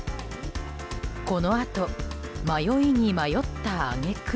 このあと、迷いに迷った挙句。